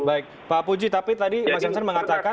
baik pak puji tapi tadi mas jansen mengatakan